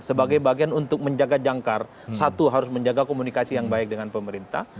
sebagai bagian untuk menjaga jangkar satu harus menjaga komunikasi yang baik dengan pemerintah